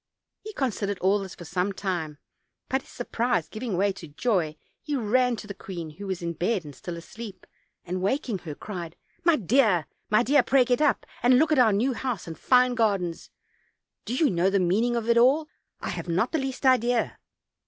He considered all this for some time: but, his surprise giving way to joy, he ran to the queen, who was in bed and still asleep, and waking her, cried: "My dear, my dear, pray get up, and look at our new house and fine gardens. Do you know the meaning of it all? I have not the least idea."